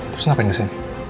terus ngapain ke si